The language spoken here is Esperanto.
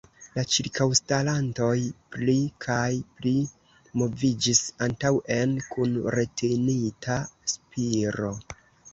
La ĉirkaŭstarantoj pli kaj pli moviĝis antaŭen kun retenita spiro.